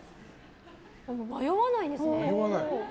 迷わないんですね。